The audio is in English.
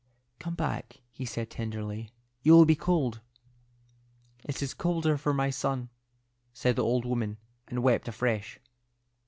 "Come back," he said, tenderly. "You will be cold." "It is colder for my son," said the old woman, and wept afresh.